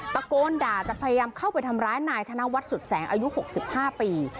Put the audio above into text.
ตะโกนด่าจะพยายามเข้าไปทำร้ายนายธนวัฒนสุดแสงอายุ๖๕ปี